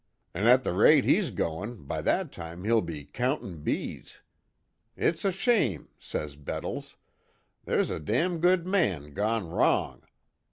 An' at the rate he's goin', by that time he'll be countin' bees.' 'It's a shame,' says Bettles, 'There's a damn good man gone wrong.'